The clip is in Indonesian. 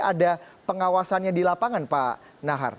ada pengawasannya di lapangan pak nahar